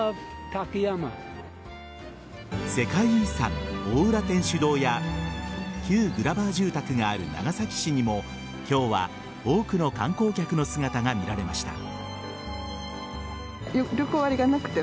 世界遺産・大浦天主堂や旧グラバー住宅がある長崎市にも今日は多くの観光客の姿が見られました。